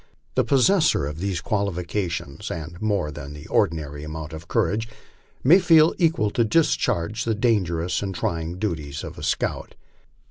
The possessor of these qualifications, and more than the ordinary amount of courage, may feel equal to discharge the dangerous and trying duties of a scout.